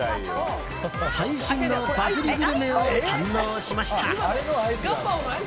最新のバズりグルメを堪能しました。